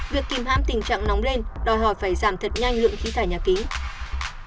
việc kìm hãm tình trạng nóng lên đòi hỏi phải giảm thật nhanh lượng khí thải nhà kính